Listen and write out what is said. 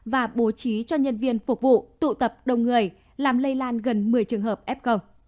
và bố trí cho nhân viên phục vụ tụ tập đông người làm lây lan gần một mươi trường hợp f